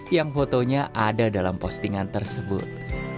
yang fotonya ada dalam postingan tersebut